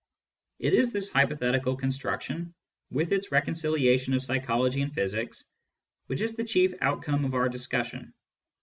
It is this hypothetical construction, with its reconciliation of psychology and physics, which is the chief outcome of our discussion.